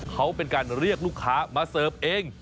เขาเป็นการเรียกลูกค้ามาเสิร์ฟเอง